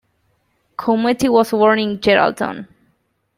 Cometti was born in Geraldton.